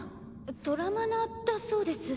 トラマナだそうです。